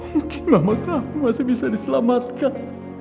mungkin mama kamu masih bisa diselamatkan